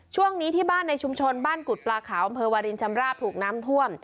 ช่วงนี้ที่บ้านในชุมชนบ้านกุฎปลาขาวอำเภอวารินชำราบถูกน้ำท่วม